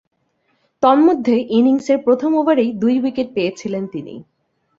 তন্মধ্যে ইনিংসের প্রথম ওভারেই দুই উইকেট পেয়েছিলেন তিনি।